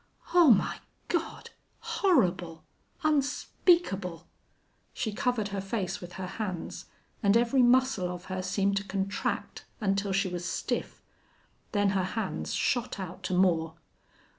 "Oh, my God! ... horrible unspeakable!"... She covered her face with her hands, and every muscle of her seemed to contract until she was stiff. Then her hands shot out to Moore.